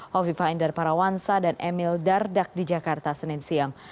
hovifa indar parawansa dan emil dardak di jakarta senin siang